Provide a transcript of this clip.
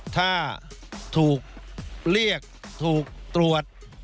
ถ้าถูกเรียกถูกตรวจ